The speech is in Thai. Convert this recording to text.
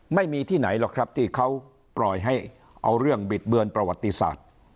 ไม่มีที่ไหนหรอกครับที่เขาปล่อยให้เอาเรื่องบิดเบือนประวัติศาสตร์